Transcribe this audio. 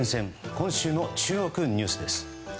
今週の注目ニュースです。